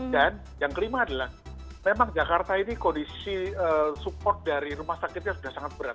dan yang kelima adalah memang jakarta ini kondisi support dari rumah sakitnya sudah sangat berat